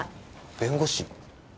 弁護士。